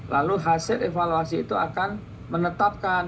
lalu hasil evaluasi itu akan menetapkan